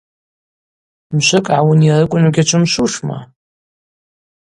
Мшвыкӏ гӏауынйарыквын угьачвымшвушма?